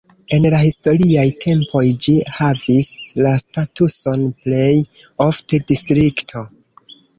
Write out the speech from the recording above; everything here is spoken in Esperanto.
En la historiaj tempoj ĝi havis la statuson plej ofte distrikto.